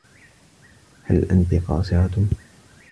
هل أنتِ قاصرة؟